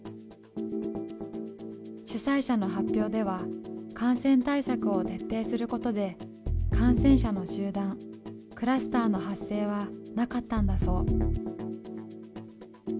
主催者の発表では感染対策を徹底することで感染者の集団クラスターの発生はなかったんだそう。